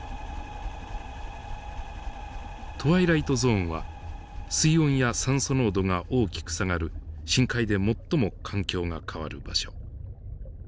トワイライトゾーンは水温や酸素濃度が大きく下がる深海で最も環境が変わる場所。